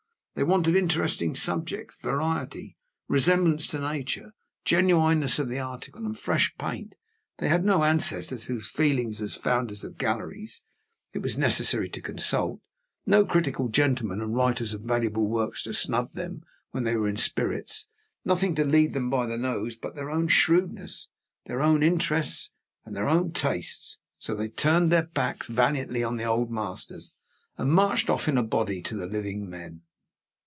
They wanted interesting subjects; variety, resemblance to nature; genuineness of the article, and fresh paint; they had no ancestors whose feelings, as founders of galleries, it was necessary to consult; no critical gentlemen and writers of valuable works to snub them when they were in spirits; nothing to lead them by the nose but their own shrewdness, their own interests, and their own tastes so they turned their backs valiantly on the Old Masters, and marched off in a body to the living men.